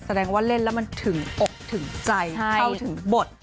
แสดงว่าเล่นแล้วมันถึงอกถึงใจเข้าถึงบท